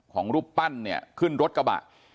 รูปปั้นเนี่ยขึ้นรถกระบะ